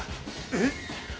◆えっ？